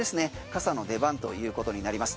傘の出番ということになります。